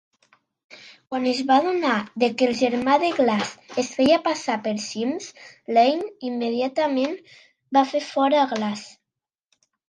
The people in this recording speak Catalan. Quan es va adonar de que el germà de Glass es feia passar per Sims, Lane immediatament va fer fora a Glass.